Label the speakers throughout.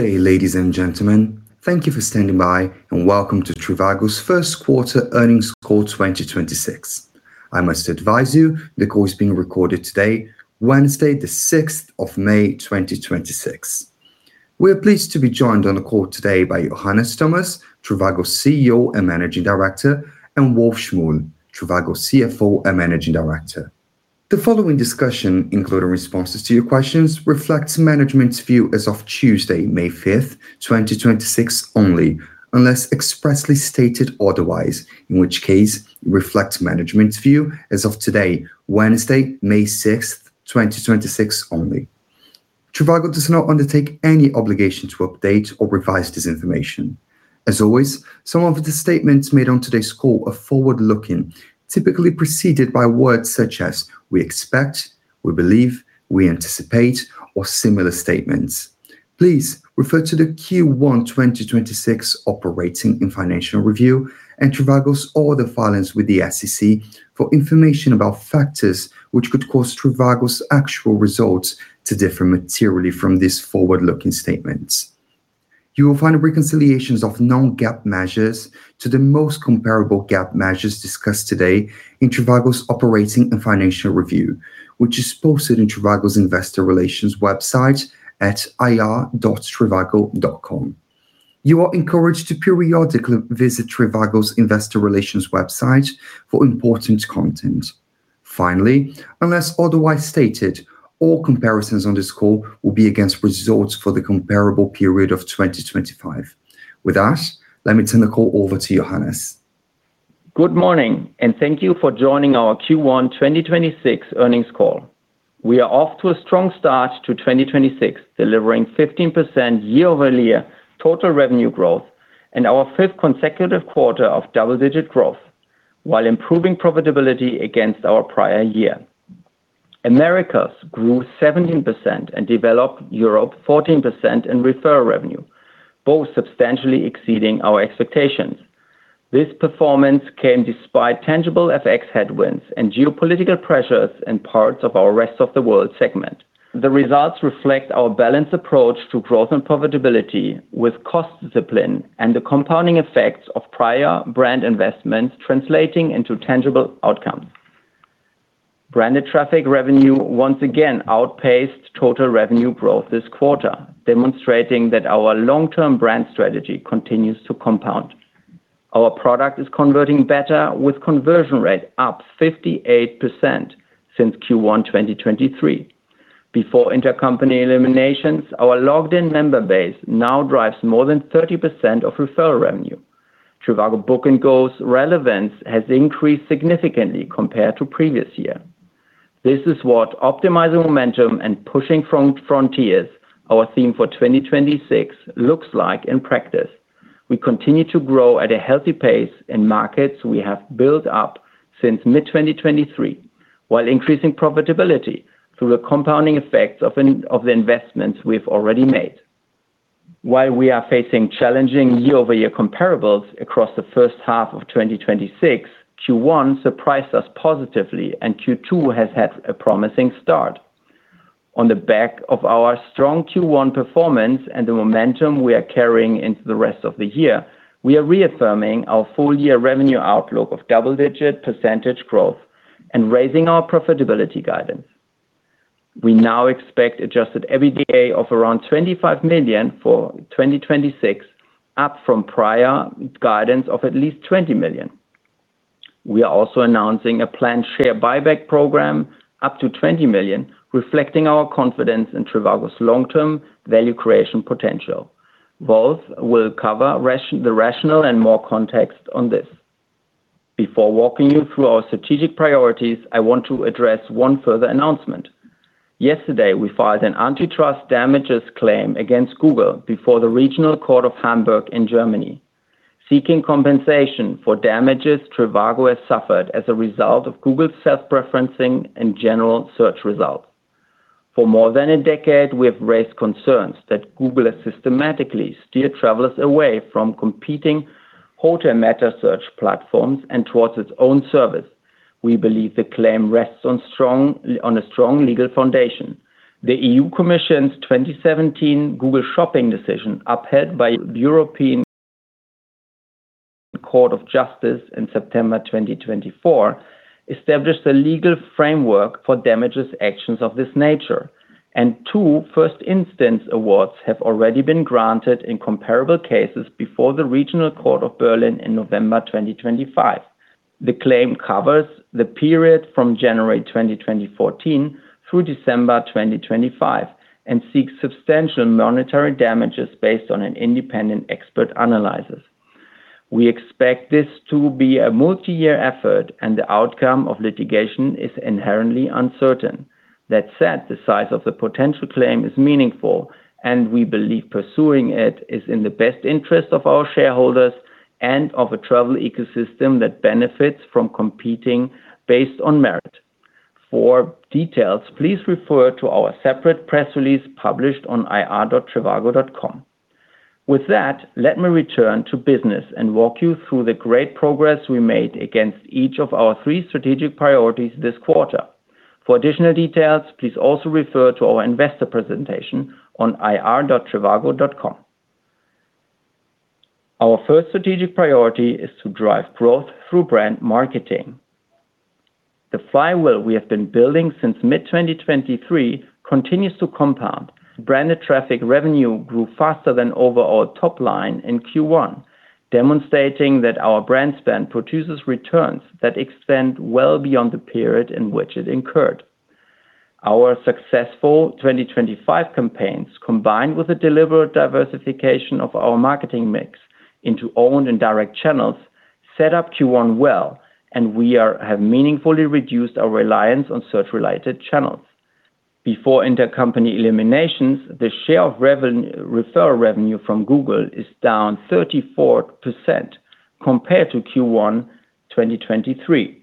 Speaker 1: Good day, ladies and gentlemen. Thank you for standing by, and welcome to trivago's first quarter earnings call 2026. I must advise you, the call is being recorded today, Wednesday, 6th of May 2026. We are pleased to be joined on the call today by Johannes Thomas, trivago CEO and Managing Director, and Wolf Schmuhl, trivago CFO and Managing Director. The following discussion, including responses to your questions, reflects management's view as of Tuesday, May 5th, 2026 only, unless expressly stated otherwise, in which case it reflects management's view as of today, Wednesday, May 6th, 2026 only. Trivago does not undertake any obligation to update or revise this information. As always, some of the statements made on today's call are forward-looking, typically preceded by words such as "we expect," "we believe," "we anticipate," or similar statements. Please refer to the Q1 2026 operating and financial review and trivago's other filings with the SEC for information about factors which could cause trivago's actual results to differ materially from these forward-looking statements. You will find reconciliations of non-GAAP measures to the most comparable GAAP measures discussed today in trivago's operating and financial review, which is posted in trivago's investor relations website at ir.trivago.com. You are encouraged to periodically visit trivago's investor relations website for important content. Finally, unless otherwise stated, all comparisons on this call will be against results for the comparable period of 2025. With that, let me turn the call over to Johannes.
Speaker 2: Good morning, and thank you for joining our Q1 2026 earnings call. We are off to a strong start to 2026, delivering 15% year-over-year total revenue growth and our fifth consecutive quarter of double-digit growth while improving profitability against our prior year. Americas grew 17% and developed Europe 14% in refer revenue, both substantially exceeding our expectations. This performance came despite tangible FX headwinds and geopolitical pressures in parts of our rest-of-the-world segment. The results reflect our balanced approach to growth and profitability with cost discipline and the compounding effects of prior brand investments translating into tangible outcomes. Branded traffic revenue once again outpaced total revenue growth this quarter, demonstrating that our long-term brand strategy continues to compound. Our product is converting better with conversion rate up 58% since Q1 2023. Before intercompany eliminations, our logged-in member base now drives more than 30% of referral revenue. Trivago Book & Go's relevance has increased significantly compared to previous year. This is what optimizing momentum and pushing frontiers, our theme for 2026, looks like in practice. We continue to grow at a healthy pace in markets we have built up since mid-2023, while increasing profitability through the compounding effects of the investments we've already made. While we are facing challenging year-over-year comparables across the first half of 2026, Q1 surprised us positively, and Q2 has had a promising start. On the back of our strong Q1 performance and the momentum we are carrying into the rest of the year, we are reaffirming our full-year revenue outlook of double-digit percentage growth and raising our profitability guidance. We now expect adjusted EBITDA of around 25 million for 2026, up from prior guidance of at least 20 million. We are also announcing a planned share buyback program up to 20 million, reflecting our confidence in trivago's long-term value creation potential. Wolf will cover the rationale and more context on this. Before walking you through our strategic priorities, I want to address one further announcement. Yesterday, we filed an antitrust damages claim against Google before the Regional Court of Hamburg in Germany, seeking compensation for damages trivago has suffered as a result of Google's self-preferencing and general search results. For more than a decade, we have raised concerns that Google has systematically steered travelers away from competing hotel meta search platforms and towards its own service. We believe the claim rests on a strong legal foundation. The European Commission's 2017 Google Shopping decision, upheld by the European Court of Justice in September 2024, established a legal framework for damages actions of this nature. Two first instance awards have already been granted in comparable cases before the Regional Court of Berlin in November 2025. The claim covers the period from January 2014 through December 2025 and seeks substantial monetary damages based on an independent expert analysis. We expect this to be a multi-year effort, and the outcome of litigation is inherently uncertain. That said, the size of the potential claim is meaningful, and we believe pursuing it is in the best interest of our shareholders and of a travel ecosystem that benefits from competing based on merit. For details, please refer to our separate press release published on ir.trivago.com. With that, let me return to business and walk you through the great progress we made against each of our three strategic priorities this quarter. For additional details, please also refer to our investor presentation on ir.trivago.com. Our first strategic priority is to drive growth through brand marketing. The flywheel we have been building since mid-2023 continues to compound. Branded traffic revenue grew faster than overall top line in Q1, demonstrating that our brand spend produces returns that extend well beyond the period in which it incurred. Our successful 2025 campaigns, combined with a deliberate diversification of our marketing mix into owned and direct channels, set up Q1 well, and we have meaningfully reduced our reliance on search-related channels. Before intercompany eliminations, the share of revenue from Google is down 34% compared to Q1 2023,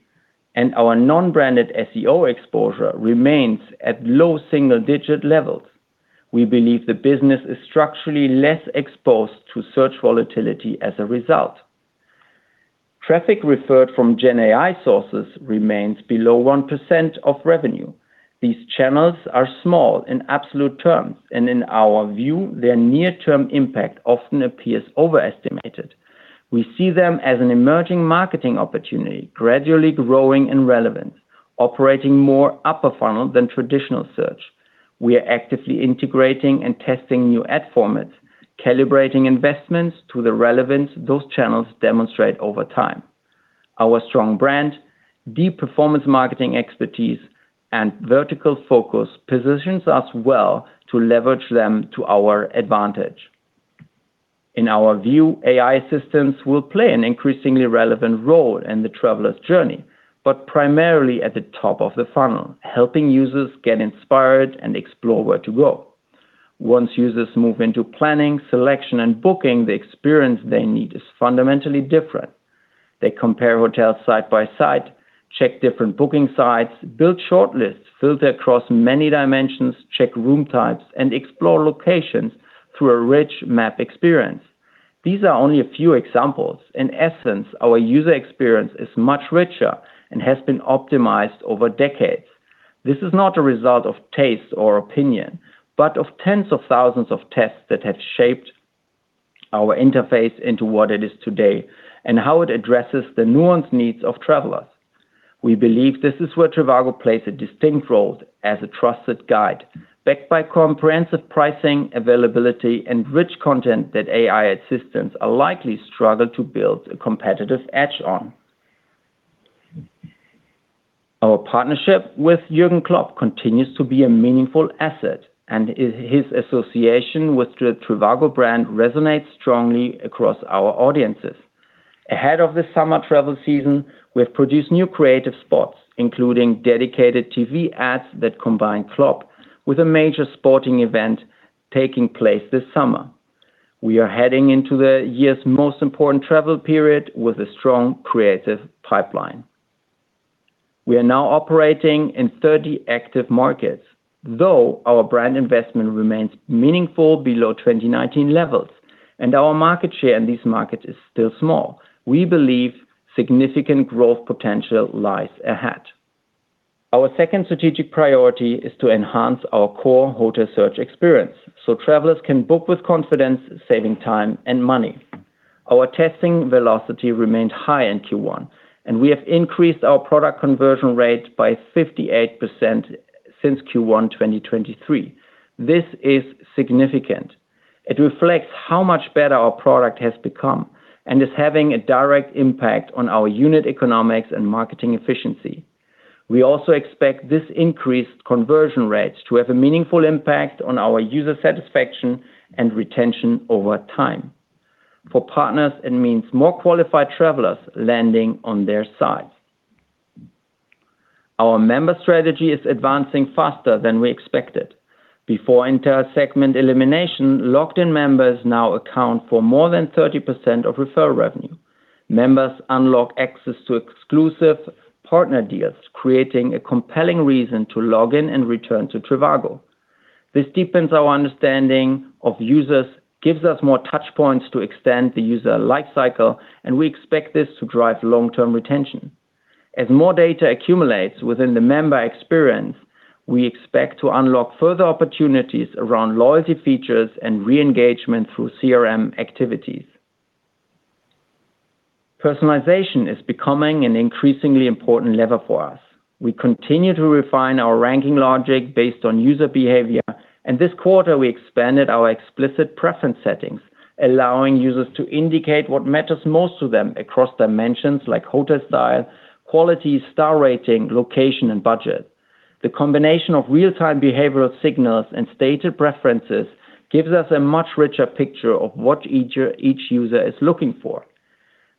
Speaker 2: and our non-branded SEO exposure remains at low single-digit levels. We believe the business is structurally less exposed to search volatility as a result. Traffic referred from Gen AI sources remains below 1% of revenue. These channels are small in absolute terms, and in our view, their near-term impact often appears overestimated. We see them as an emerging marketing opportunity, gradually growing in relevance, operating more upper funnel than traditional search. We are actively integrating and testing new ad formats, calibrating investments to the relevance those channels demonstrate over time. Our strong brand, deep performance marketing expertise, and vertical focus positions us well to leverage them to our advantage. In our view, AI systems will play an increasingly relevant role in the traveler's journey, but primarily at the top of the funnel, helping users get inspired and explore where to go. Once users move into planning, selection, and booking, the experience they need is fundamentally different. They compare hotels side by side, check different booking sites, build shortlists, filter across many dimensions, check room types, and explore locations through a rich map experience. These are only a few examples. In essence, our user experience is much richer and has been optimized over decades. This is not a result of taste or opinion, but of tens of thousands of tests that have shaped our interface into what it is today and how it addresses the nuanced needs of travelers. We believe this is where trivago plays a distinct role as a trusted guide, backed by comprehensive pricing, availability, and rich content that AI assistants are likely struggle to build a competitive edge on. Our partnership with Jürgen Klopp continues to be a meaningful asset, his association with the trivago brand resonates strongly across our audiences. Ahead of the summer travel season, we have produced new creative spots, including dedicated TV ads that combine Klopp with a major sporting event taking place this summer. We are heading into the year's most important travel period with a strong creative pipeline. We are now operating in 30 active markets, though our brand investment remains meaningful below 2019 levels and our market share in these markets is still small. We believe significant growth potential lies ahead. Our second strategic priority is to enhance our core hotel search experience so travelers can book with confidence, saving time and money. Our testing velocity remained high in Q1, and we have increased our product conversion rate by 58% since Q1 2023. This is significant. It reflects how much better our product has become and is having a direct impact on our unit economics and marketing efficiency. We also expect this increased conversion rates to have a meaningful impact on our user satisfaction and retention over time. For partners, it means more qualified travelers landing on their site. Our member strategy is advancing faster than we expected. Before inter-segment elimination, logged in members now account for more than 30% of referral revenue. Members unlock access to exclusive partner deals, creating a compelling reason to log in and return to trivago. This deepens our understanding of users, gives us more touch points to extend the user life cycle. We expect this to drive long-term retention. As more data accumulates within the member experience, we expect to unlock further opportunities around loyalty features and re-engagement through CRM activities. Personalization is becoming an increasingly important lever for us. We continue to refine our ranking logic based on user behavior. This quarter we expanded our explicit preference settings, allowing users to indicate what matters most to them across dimensions like hotel style, quality, star rating, location, and budget. The combination of real-time behavioral signals and stated preferences gives us a much richer picture of what each user is looking for.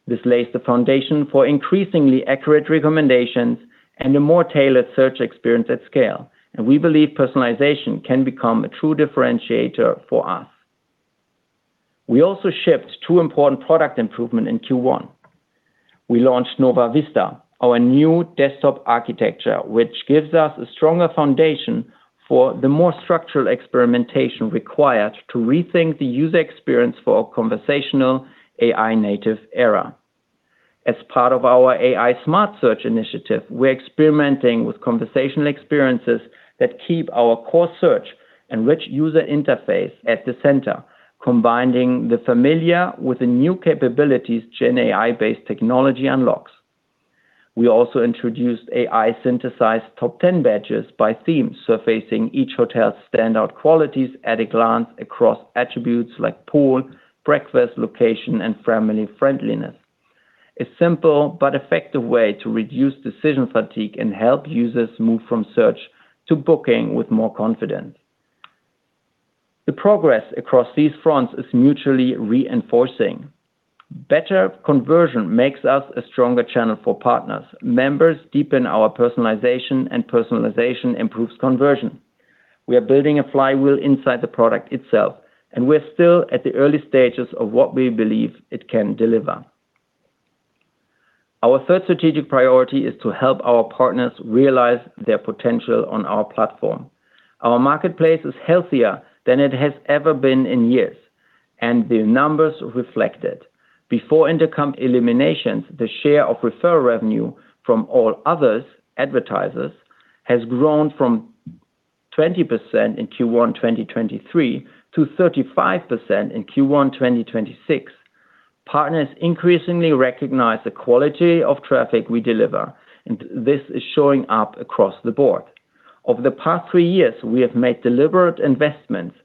Speaker 2: This lays the foundation for increasingly accurate recommendations and a more tailored search experience at scale. We believe personalization can become a true differentiator for us. We also shipped two important product improvements in Q1. We launched Nova Vista, our new desktop architecture, which gives us a stronger foundation for the more structural experimentation required to rethink the user experience for our conversational AI-native era. As part of our AI Smart Search initiative, we're experimenting with conversational experiences that keep our core search and rich user interface at the center, combining the familiar with the new capabilities Gen AI-based technology unlocks. We also introduced AI-synthesized top 10 badges by themes, surfacing each hotel's standout qualities at a glance across attributes like pool, breakfast, location, and family friendliness. A simple but effective way to reduce decision fatigue and help users move from search to booking with more confidence. The progress across these fronts is mutually reinforcing. Better conversion makes us a stronger channel for partners. Members deepen our personalization, and personalization improves conversion. We are building a flywheel inside the product itself, and we're still at the early stages of what we believe it can deliver. Our third strategic priority is to help our partners realize their potential on our platform. Our marketplace is healthier than it has ever been in years, and the numbers reflect it. Before intercomp eliminations, the share of referral revenue from all others advertisers has grown from 20% in Q1 2023 to 35% in Q1 2026. Partners increasingly recognize the quality of traffic we deliver, and this is showing up across the board. Over the past three years, we have made deliberate investments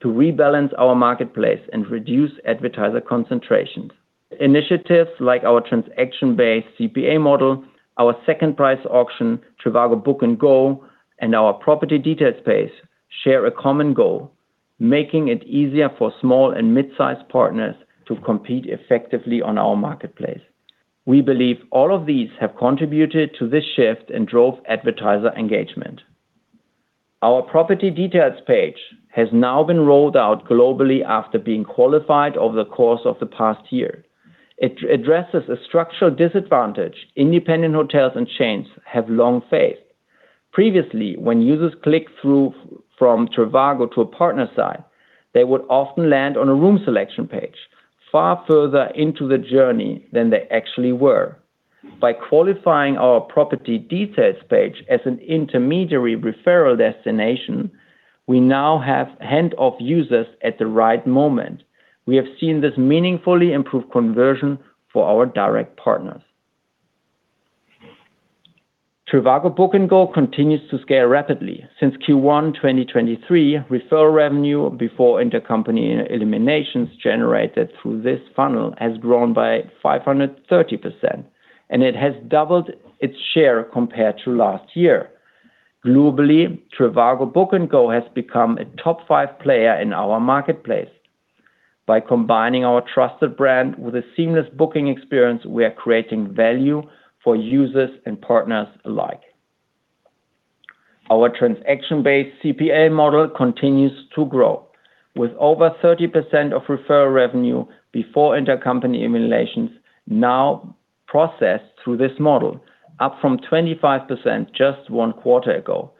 Speaker 2: to rebalance our marketplace and reduce advertiser concentrations. Initiatives like our transaction-based CPA model, our second price auction, trivago Book & Go, and our property details page share a common goal, making it easier for small and mid-size partners to compete effectively on our marketplace. We believe all of these have contributed to this shift and drove advertiser engagement. Our property details page has now been rolled out globally after being qualified over the course of the past year. It addresses a structural disadvantage independent hotels and chains have long faced. Previously, when users clicked through from trivago to a partner site, they would often land on a room selection page far further into the journey than they actually were. By qualifying our property details page as an intermediary referral destination, we now have handoff users at the right moment. We have seen this meaningfully improve conversion for our direct partners. Trivago Book & Go continues to scale rapidly. Since Q1 2023, referral revenue before intercompany eliminations generated through this funnel has grown by 530%, and it has doubled its share compared to last year. Globally, trivago Book & Go has become a top five player in our marketplace. By combining our trusted brand with a seamless booking experience, we are creating value for users and partners alike. Our transaction-based CPA model continues to grow with over 30% of referral revenue before intercompany eliminations now processed through this model, up from 25% just one quarter ago.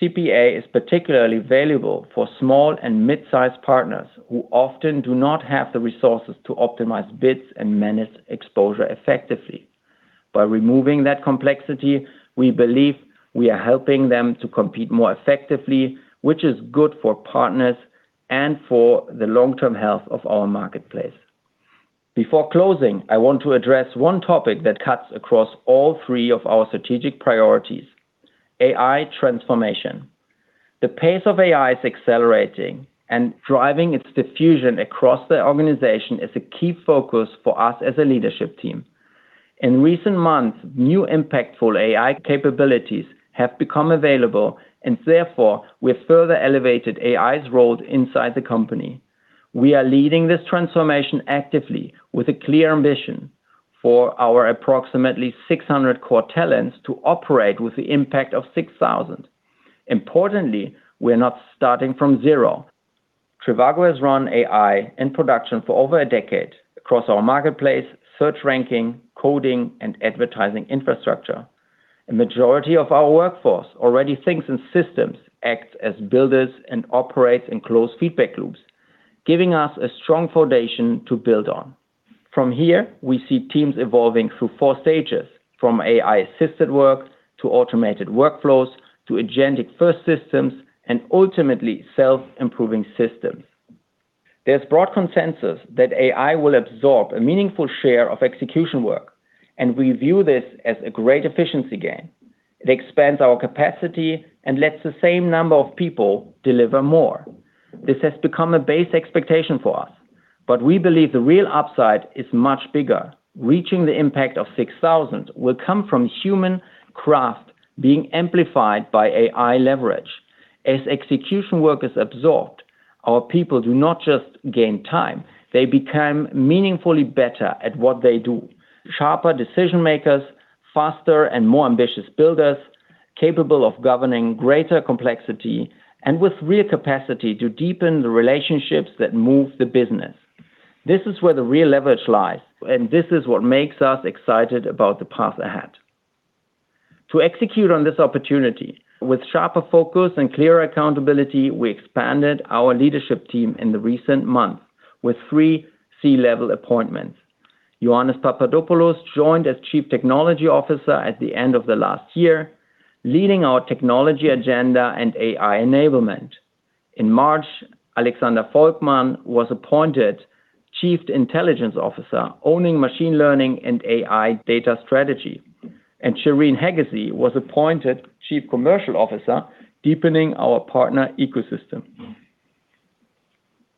Speaker 2: CPA is particularly valuable for small and mid-sized partners who often do not have the resources to optimize bids and manage exposure effectively. By removing that complexity, we believe we are helping them to compete more effectively, which is good for partners and for the long-term health of our marketplace. Before closing, I want to address one topic that cuts across all three of our strategic priorities: AI transformation. The pace of AI is accelerating, driving its diffusion across the organization is a key focus for us as a leadership team. In recent months, new impactful AI capabilities have become available, therefore, we have further elevated AI's role inside the company. We are leading this transformation actively with a clear ambition for our approximately 600 core talents to operate with the impact of 6,000. Importantly, we are not starting from zero. Trivago has run AI in production for over a decade across our marketplace, search ranking, coding, and advertising infrastructure. A majority of our workforce already thinks in systems, acts as builders, and operates in close feedback loops, giving us a strong foundation to build on. From here, we see teams evolving through four stages from AI-assisted work to automated workflows to agentic-first systems, and ultimately self-improving systems. There's broad consensus that AI will absorb a meaningful share of execution work, and we view this as a great efficiency gain. It expands our capacity and lets the same number of people deliver more. This has become a base expectation for us, but we believe the real upside is much bigger. Reaching the impact of 6,000 will come from human craft being amplified by AI leverage. As execution work is absorbed, our people do not just gain time. They become meaningfully better at what they do, sharper decision makers, faster and more ambitious builders. Capable of governing greater complexity and with real capacity to deepen the relationships that move the business. This is where the real leverage lies, and this is what makes us excited about the path ahead. To execute on this opportunity with sharper focus and clearer accountability, we expanded our leadership team in the recent months with three C-level appointments. Ioannis Papadopoulos joined as Chief Technology Officer at the end of the last year, leading our technology agenda and AI enablement. In March, Alexander Volkmann was appointed Chief Intelligence Officer, owning machine learning and AI data strategy. Sherin Hegazy was appointed Chief Commercial Officer, deepening our partner ecosystem.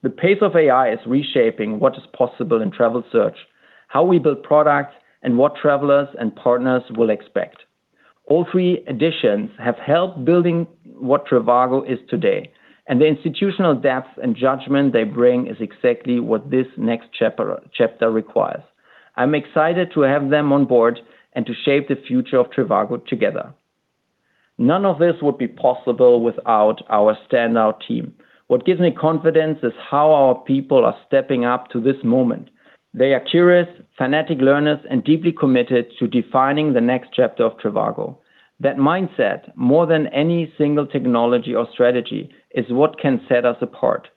Speaker 2: The pace of AI is reshaping what is possible in travel search, how we build products, and what travelers and partners will expect. All three additions have helped building what trivago is today, and the institutional depth and judgment they bring is exactly what this next chapter requires. I'm excited to have them on board and to shape the future of trivago together. None of this would be possible without our standout team. What gives me confidence is how our people are stepping up to this moment. They are curious, fanatic learners, and deeply committed to defining the next chapter of trivago. That mindset, more than any single technology or strategy, is what can set us apart.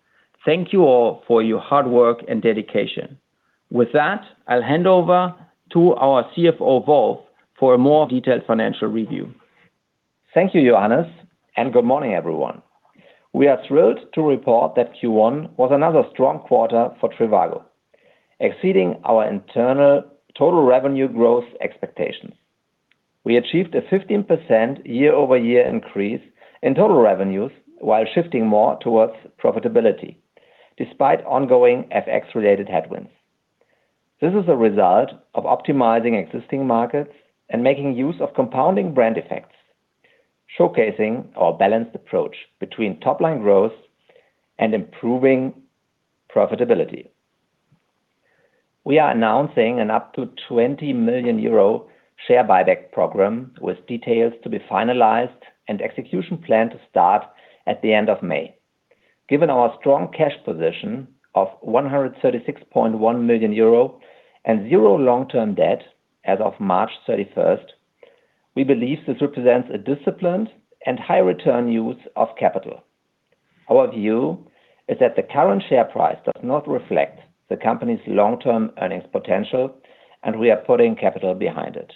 Speaker 2: Thank you all for your hard work and dedication. With that, I'll hand over to our CFO, Wolf, for a more detailed financial review.
Speaker 3: Thank you, Johannes, and good morning, everyone. We are thrilled to report that Q1 was another strong quarter for trivago, exceeding our internal total revenue growth expectations. We achieved a 15% year-over-year increase in total revenues while shifting more towards profitability despite ongoing FX-related headwinds. This is a result of optimizing existing markets and making use of compounding brand effects, showcasing our balanced approach between top-line growth and improving profitability. We are announcing an up to 20 million euro share buyback program with details to be finalized and execution plan to start at the end of May. Given our strong cash position of 136.1 million euro and zero long-term debt as of March 31st, we believe this represents a disciplined and high-return use of capital. Our view is that the current share price does not reflect the company's long-term earnings potential, and we are putting capital behind it.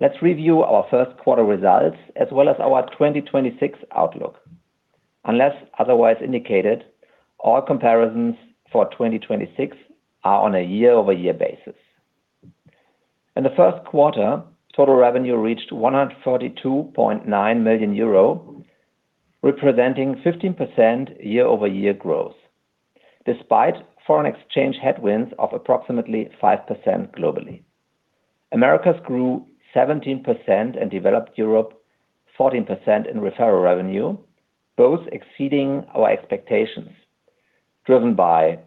Speaker 3: Let's review our first quarter results as well as our 2026 outlook. Unless otherwise indicated, all comparisons for 2026 are on a year-over-year basis. In the first quarter, total revenue reached 142.9 million euro, representing 15% year-over-year growth, despite foreign exchange headwinds of approximately 5% globally. Americas grew 17% and developed Europe 14% in referral revenue, both exceeding our expectations, driven by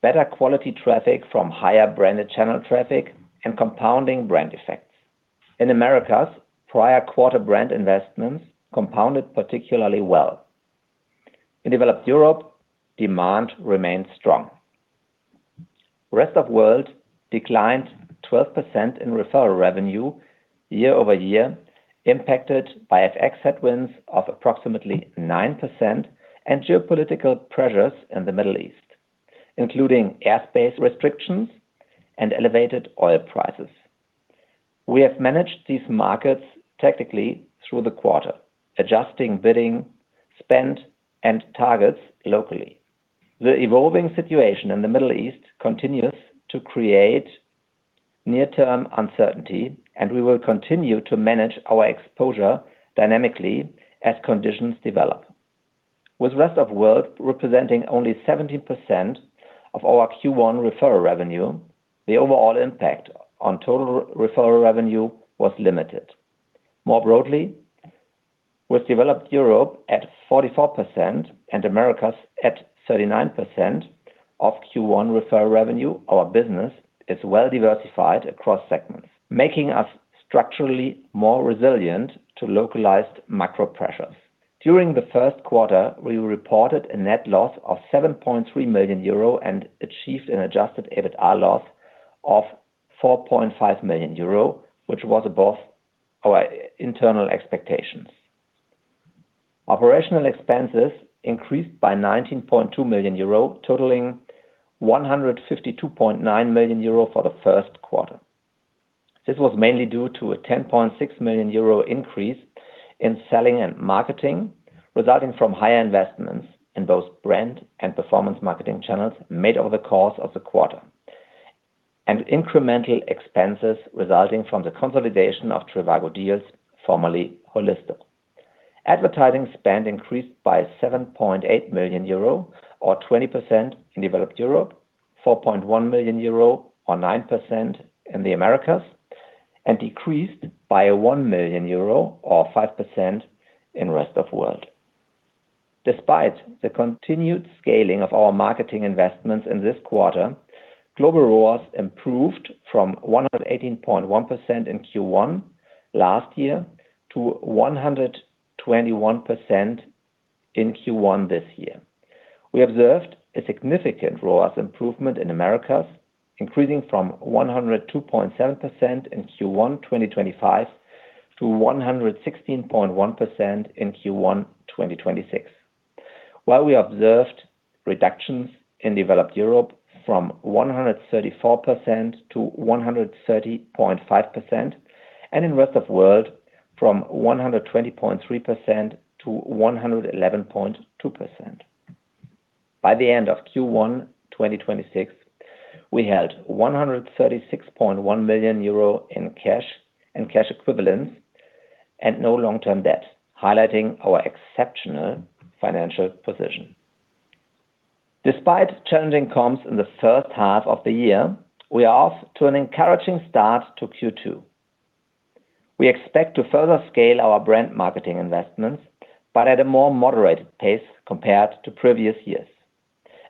Speaker 3: better quality traffic from higher branded channel traffic and compounding brand effects. In Americas, prior quarter brand investments compounded particularly well. In developed Europe, demand remained strong. Rest of world declined 12% in referral revenue year-over-year, impacted by FX headwinds of approximately 9% and geopolitical pressures in the Middle East, including airspace restrictions and elevated oil prices. We have managed these markets tactically through the quarter, adjusting bidding, spend, and targets locally. The evolving situation in the Middle East continues to create near-term uncertainty, and we will continue to manage our exposure dynamically as conditions develop. With rest of world representing only 17% of our Q1 referral revenue, the overall impact on total referral revenue was limited. More broadly, with developed Europe at 44% and Americas at 39% of Q1 referral revenue, our business is well diversified across segments, making us structurally more resilient to localized macro pressures. During the first quarter, we reported a net loss of 7.3 million euro and achieved an adjusted EBITDA loss of 4.5 million euro, which was above our internal expectations. Operational expenses increased by 19.2 million euro, totaling 152.9 million euro for the first quarter. This was mainly due to a 10.6 million euro increase in selling and marketing, resulting from higher investments in both brand and performance marketing channels made over the course of the quarter and incremental expenses resulting from the consolidation of trivago Deals, formerly Holisto. Advertising spend increased by 7.8 million euro or 20% in developed Europe, 4.1 million euro or 9% in the Americas, and decreased by 1 million euro or 5% in rest of world. Despite the continued scaling of our marketing investments in this quarter, global ROAS improved from 118.1% in Q1 last year to 121% in Q1 this year. We observed a significant ROAS improvement in Americas, increasing from 102.7% in Q1 2025 to 116.1% in Q1 2026. While we observed reductions in developed Europe from 134% to 130.5%, and in rest of world from 120.3% to 111.2%. By the end of Q1 2026, we had 136.1 million euro in cash and cash equivalents and no long-term debt, highlighting our exceptional financial position. Despite challenging comps in the first half of the year, we are off to an encouraging start to Q2. We expect to further scale our brand marketing investments, but at a more moderated pace compared to previous years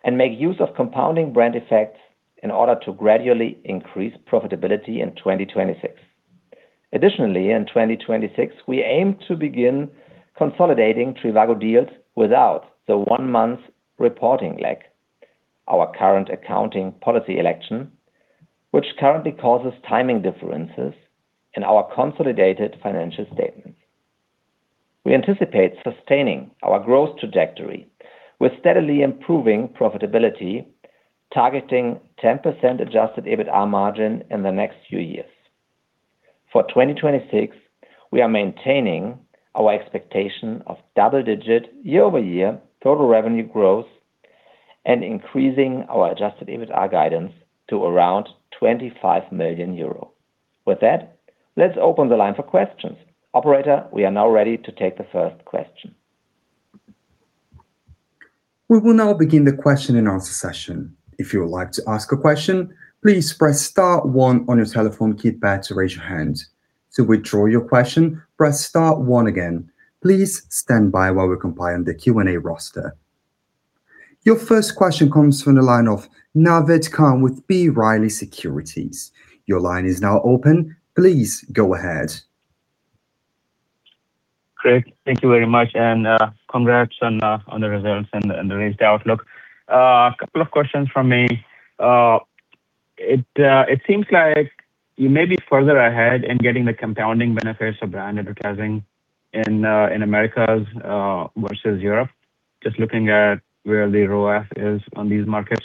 Speaker 3: and make use of compounding brand effects in order to gradually increase profitability in 2026. Additionally, in 2026, we aim to begin consolidating trivago Deals without the one-month reporting lag, our current accounting policy election, which currently causes timing differences in our consolidated financial statement. We anticipate sustaining our growth trajectory with steadily improving profitability, targeting 10% adjusted EBITDA margin in the next few years. For 2026, we are maintaining our expectation of double-digit year-over-year total revenue growth and increasing our adjusted EBITDA guidance to around 25 million euro. With that, let's open the line for questions. Operator, we are now ready to take the first question.
Speaker 1: We will now begin the question and answer session. If you would like to ask a question, please press star one on your telephone keypad to raise your hand. To withdraw your question, press star one again. Please stand by while we compile the Q&A roster. Your first question comes from the line of Naved Khan with B. Riley Securities. Your line is now open. Please go ahead.
Speaker 4: Great. Thank you very much, and congrats on the results and the raised outlook. A couple of questions from me. It seems like you may be further ahead in getting the compounding benefits of brand advertising in Americas versus Europe, just looking at where the ROAS is on these markets.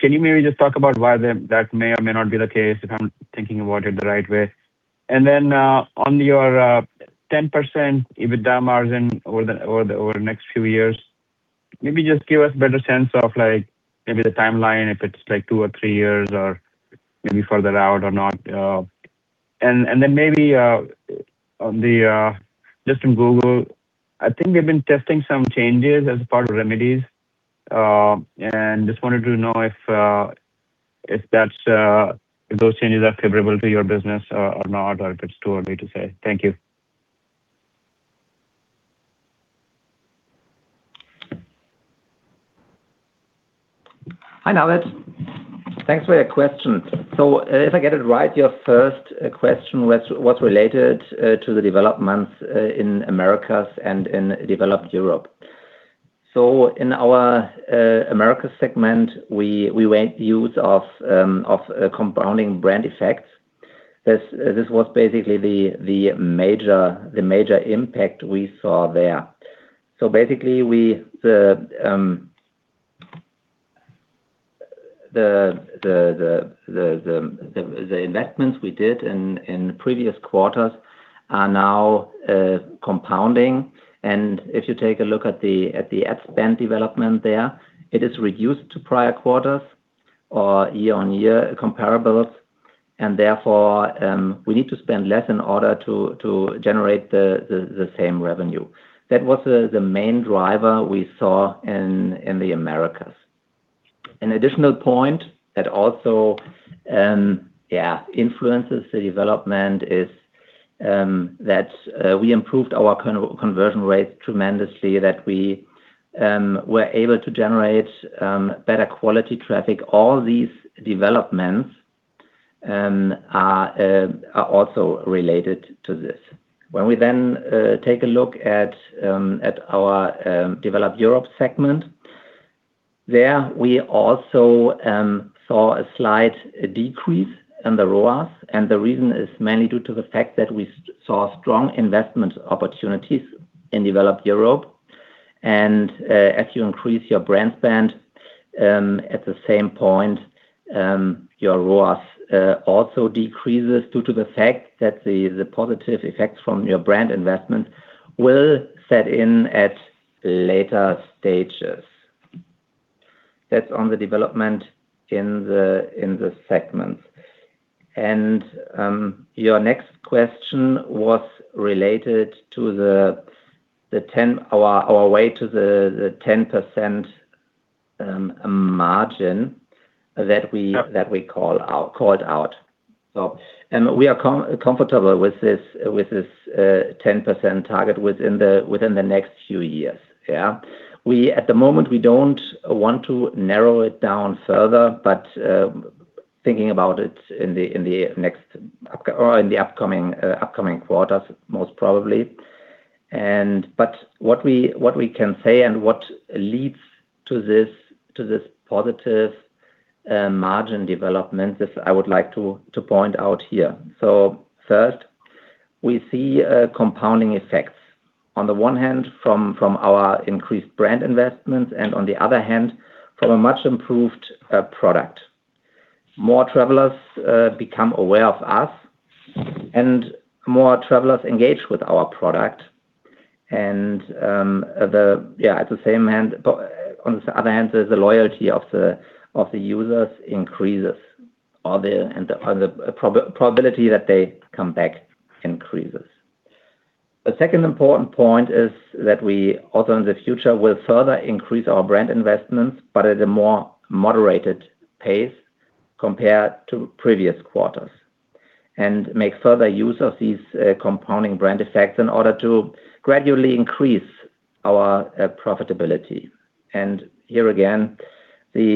Speaker 4: Can you maybe just talk about why that may or may not be the case, if I'm thinking about it the right way? On your 10% EBITDA margin over the next few years, maybe just give us better sense of like maybe the timeline, if it's like two or three years or maybe further out or not. Then maybe, on the, just on Google, I think they've been testing some changes as part of remedies, and just wanted to know if those changes are favorable to your business or not, or if it's too early to say? Thank you.
Speaker 3: Hi, Naved. Thanks for your question. If I get it right, your first question was related to the developments in Americas and in developed Europe. In our Americas segment, we made use of compounding brand effects. This was basically the major impact we saw there. Basically, the investments we did in previous quarters are now compounding. If you take a look at the ad spend development there, it is reduced to prior quarters or year-on-year comparables, and therefore, we need to spend less in order to generate the same revenue. That was the main driver we saw in the Americas. An additional point that also influences the development is that we improved our conversion rate tremendously, that we were able to generate better quality traffic. All these developments are also related to this. When we then take a look at our developed Europe segment, there we also saw a slight decrease in the ROAS, and the reason is mainly due to the fact that we saw strong investment opportunities in developed Europe. As you increase your brand spend at the same point, your ROAS also decreases due to the fact that the positive effects from your brand investment will set in at later stages. That's on the development in the segments. Your next question was related to our way to the 10% margin that we called out. We are comfortable with this, 10% target within the next few years. Yeah. We, at the moment, we don't want to narrow it down further, thinking about it in the upcoming quarters most probably. What we can say and what leads to this positive, margin development is I would like to point out here. First, we see compounding effects, on the one hand from our increased brand investments, and on the other hand, from a much improved, product. More travelers become aware of us and more travelers engage with our product. At the, yeah, at the same hand, but on the other hand, there's the loyalty of the, of the users increases or the, and the, or the probability that they come back increases. The second important point is that we also in the future will further increase our brand investments, but at a more moderated pace compared to previous quarters, and make further use of these compounding brand effects in order to gradually increase our profitability. Here again, the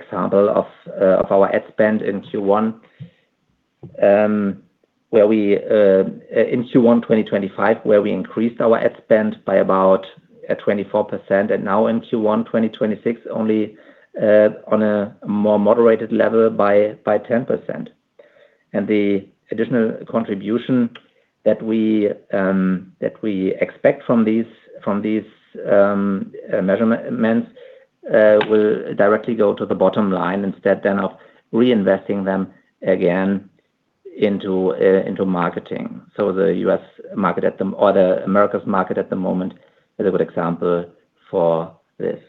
Speaker 3: example of our ad spend in Q1, where we in Q1 2025, where we increased our ad spend by about 24%, and now in Q1 2026, only on a more moderated level by 10%. The additional contribution that we expect from these measurements will directly go to the bottom line instead then of reinvesting them again into marketing. The U.S. market at the Americas market at the moment is a good example for this.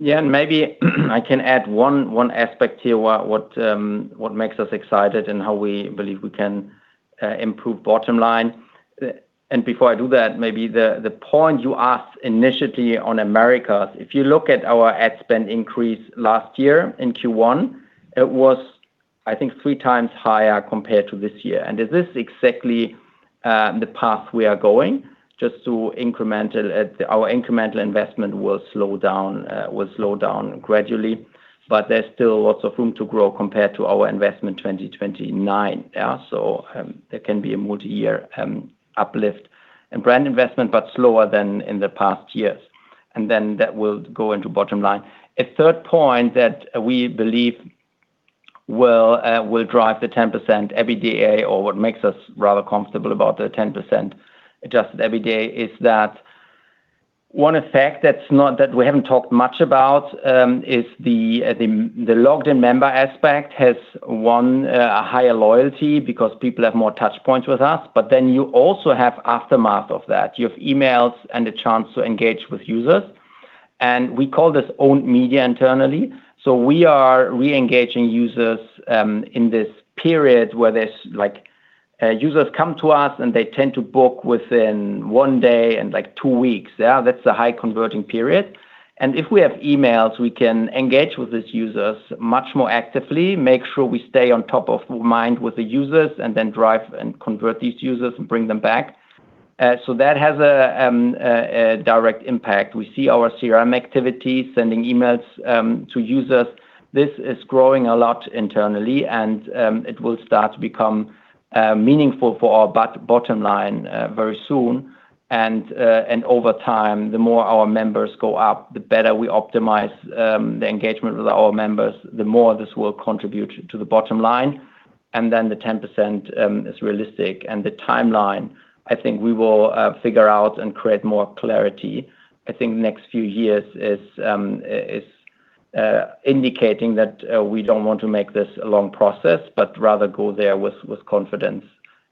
Speaker 2: Maybe I can add one aspect here, what makes us excited and how we believe we can improve bottom line. Before I do that, maybe the point you asked initially on Americas, if you look at our ad spend increase last year in Q1, it was I think 3x higher compared to this year. Is this exactly the path we are going Our incremental investment will slow down gradually, but there is still lots of room to grow compared to our investment 2019. There can be a multi-year uplift and brand investment, but slower than in the past years. That will go into bottom line. A third point that we believe will drive the 10% EBITDA or what makes us rather comfortable about the 10% adjusted EBITDA is that one effect that's not, that we haven't talked much about, is the logged in member aspect has won a higher loyalty because people have more touch points with us. You also have aftermath of that. You have emails and the chance to engage with users, we call this owned media internally. We are re-engaging users in this period where there's like, users come to us and they tend to book within one day and like two weeks. Yeah. That's a high converting period. If we have emails, we can engage with these users much more actively, make sure we stay on top of mind with the users, and then drive and convert these users and bring them back. That has a direct impact. We see our CRM activities sending emails to users. This is growing a lot internally, and it will start to become meaningful for our bottom line very soon. Over time, the more our members go up, the better we optimize the engagement with our members, the more this will contribute to the bottom line. The 10% is realistic. The timeline, I think we will figure out and create more clarity. I think next few years is indicating that, we don't want to make this a long process, but rather go there with confidence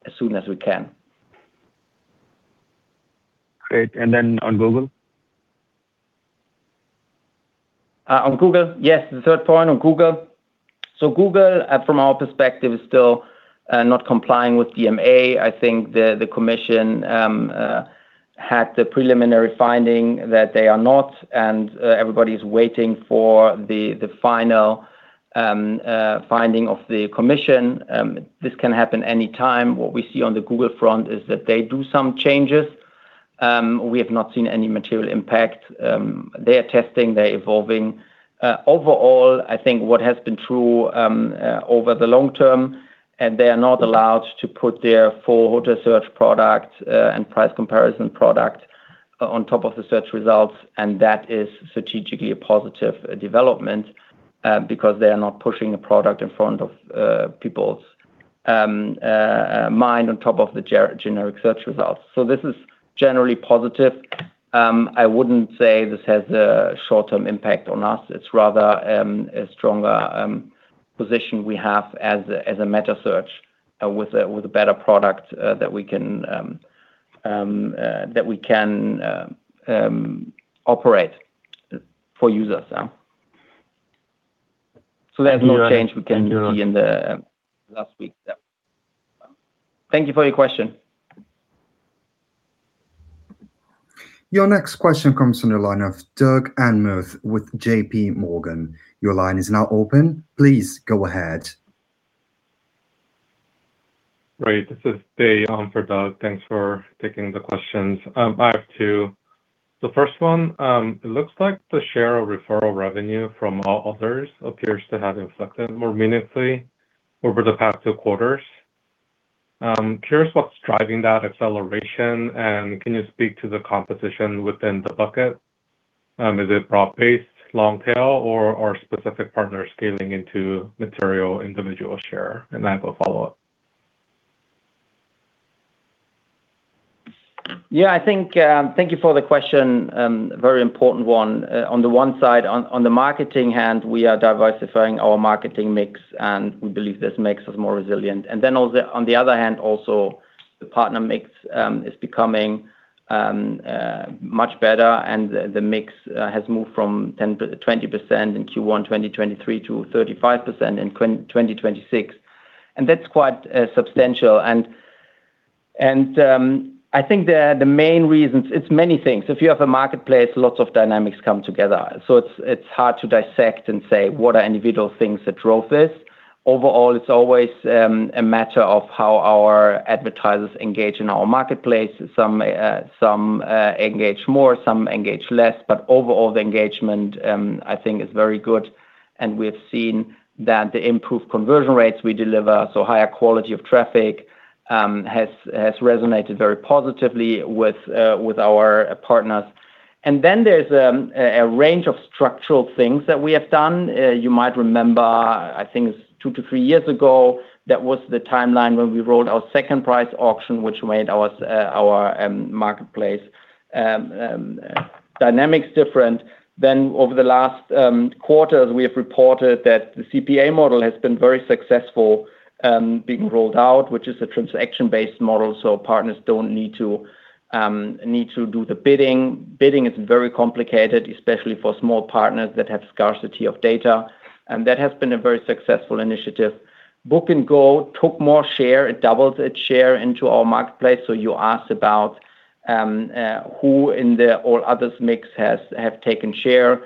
Speaker 2: as soon as we can.
Speaker 4: Great. On Google?
Speaker 2: On Google? Yes. The third point on Google. Google, from our perspective is still not complying with DMA. I think the Commission had the preliminary finding that they are not, and everybody's waiting for the final finding of the Commission. This can happen anytime. What we see on the Google front is that they do some changes. We have not seen any material impact. They're testing, they're evolving. Overall, I think what has been true over the long term, they are not allowed to put their full hotel search product and price comparison product on top of the search results, that is strategically a positive development, because they're not pushing a product in front of people's mind on top of the generic search results. This is generally positive. I wouldn't say this has a short-term impact on us. It's rather a stronger position we have as a meta search with a better product that we can operate for users. There's no change we can see in the last week. Thank you for your question.
Speaker 1: Your next question comes from the line of Doug Anmuth with JPMorgan.
Speaker 5: Right. This is Dae on for Doug. Thanks for taking the questions. I have two. The first one, it looks like the share of referral revenue from all others appears to have inflected more meaningfully over the past two quarters. I'm curious what's driving that acceleration, and can you speak to the competition within the bucket? Is it prop-based, long tail, or specific partners scaling into material individual share? Then I have a follow-up.
Speaker 2: Thank you for the question, very important one. On the one side, on the marketing hand, we are diversifying our marketing mix. We believe this makes us more resilient. On the other hand also, the partner mix is becoming much better. The mix has moved from 20% in Q1 2023 to 35% in 2026. That's quite substantial. I think the main reasons, it's many things. If you have a marketplace, lots of dynamics come together. It's hard to dissect and say, "What are individual things that drove this?" Overall, it's always a matter of how our advertisers engage in our marketplace. Some engage more, some engage less. Overall, the engagement, I think, is very good, and we've seen that the improved conversion rates we deliver, so higher quality of traffic, has resonated very positively with our partners. Then there's a range of structural things that we have done. You might remember, I think it's two to three years ago, that was the timeline when we rolled our second price auction, which made our marketplace dynamics different. Over the last quarters, we have reported that the CPA model has been very successful, being rolled out, which is a transaction-based model, so partners don't need to do the bidding. Bidding is very complicated, especially for small partners that have scarcity of data, and that has been a very successful initiative. Trivago Book & Go took more share. It doubled its share into our marketplace. You asked about who in the all others mix have taken share.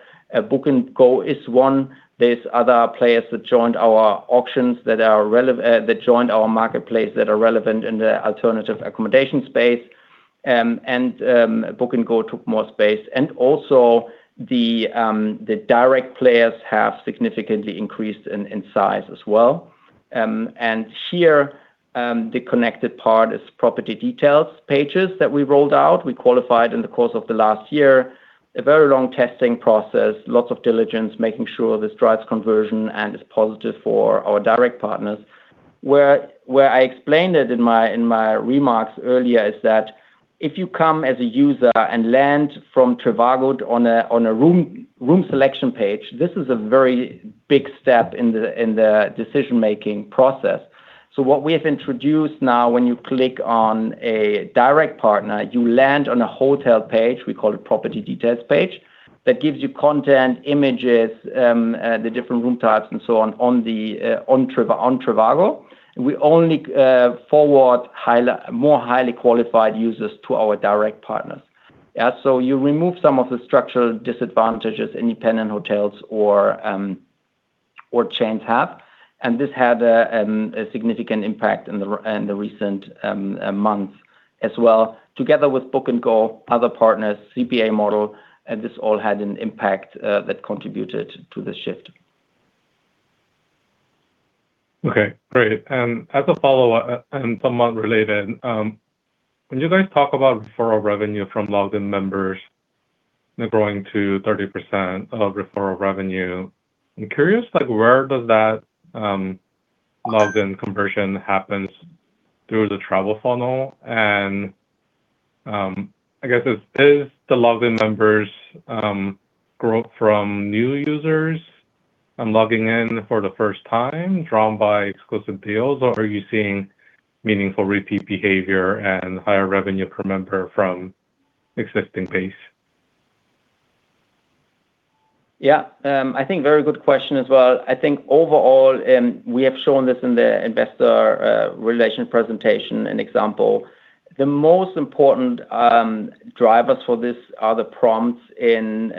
Speaker 2: Book & Go is one. There's other players that joined our auctions that joined our marketplace that are relevant in the alternative accommodation space. Book & Go took more space. Also the direct players have significantly increased in size as well. Here the connected part is property details pages that we rolled out. We qualified in the course of the last year a very long testing process, lots of diligence, making sure this drives conversion and is positive for our direct partners. Where I explained it in my remarks earlier is that if you come as a user and land from trivago on a room selection page, this is a very big step in the decision-making process. What we have introduced now, when you click on a direct partner, you land on a hotel page, we call it property details page, that gives you content, images, the different room types, and so on trivago. We only forward more highly qualified users to our direct partners. Yeah, so you remove some of the structural disadvantages independent hotels or chains have, and this had a significant impact in the recent months as well. Together with Book & Go, other partners, CPA model, and this all had an impact that contributed to the shift.
Speaker 5: Okay, great. As a follow-up and somewhat related, when you guys talk about referral revenue from logged-in members growing to 30% of referral revenue, I'm curious, like, where does that logged-in conversion happens through the travel funnel? I guess is the logged-in members grow from new users logging in for the first time, drawn by exclusive deals, or are you seeing meaningful repeat behavior and higher revenue per member from existing base?
Speaker 2: I think very good question as well. Overall, we have shown this in the investor relations presentation and example, the most important drivers for this are the prompts in.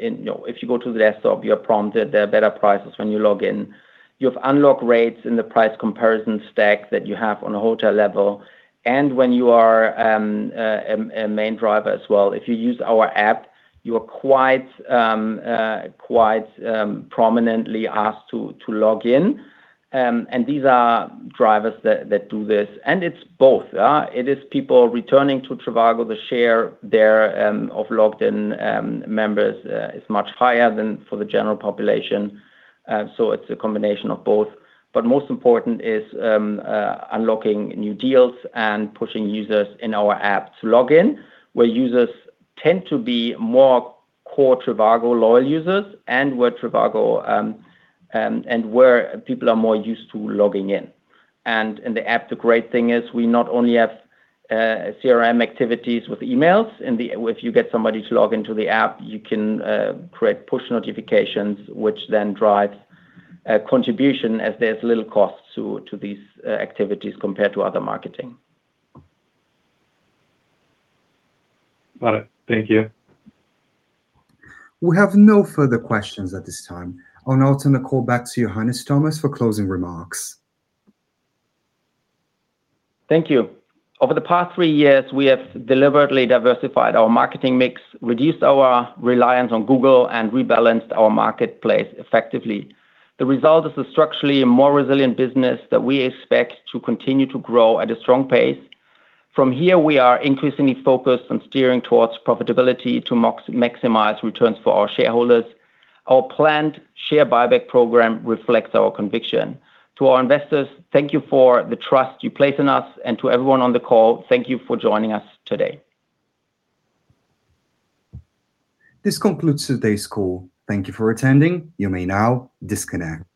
Speaker 2: You know, if you go to the desktop, you're prompted there are better prices when you log in. You have unlock rates in the price comparison stack that you have on a hotel level. When you are a main driver as well, if you use our app, you are quite prominently asked to log in. These are drivers that do this, and it's both. It is people returning to trivago. The share there of logged-in members is much higher than for the general population. It's a combination of both. Most important is unlocking new deals and pushing users in our app to log in, where users tend to be more core trivago loyal users and where trivago and where people are more used to logging in. If you get somebody to log into the app, you can create push notifications, which then drives a contribution as there's little cost to these activities compared to other marketing.
Speaker 5: Got it. Thank you.
Speaker 1: We have no further questions at this time. I'll now turn the call back to Johannes Thomas for closing remarks.
Speaker 2: Thank you. Over the past three years, we have deliberately diversified our marketing mix, reduced our reliance on Google, and rebalanced our marketplace effectively. The result is a structurally more resilient business that we expect to continue to grow at a strong pace. From here, we are increasingly focused on steering towards profitability to maximize returns for our shareholders. Our planned share buyback program reflects our conviction. To our investors, thank you for the trust you place in us, and to everyone on the call, thank you for joining us today.
Speaker 1: This concludes today's call. Thank you for attending. You may now disconnect.